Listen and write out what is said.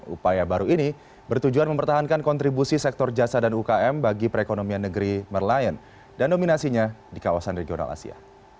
upaya baru ini bertujuan mempertahankan kontribusi sektor jasa dan ukm bagi perekonomian negeri merlayan dan dominasinya di kawasan regional asia